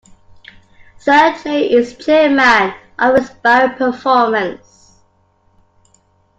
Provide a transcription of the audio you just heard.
Sir Chay is chairman of Inspiring Performance.